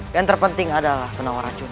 yang terpenting adalah penawar racun